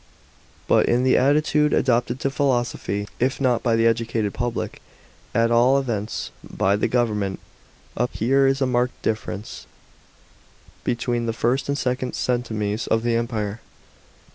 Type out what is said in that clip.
But in the attitude adopted to philosophy, if not by the educate^ public, at all events by the government, uhere is a marked differ ence between the first and second centm ies of the Empire.